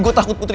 gue takut putri